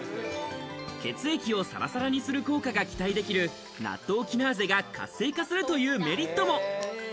血液をサラサラにする効果が期待できるナットウキナーゼが活性化するというメリットも。